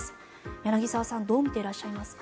柳澤さんどう見ていらっしゃいますか。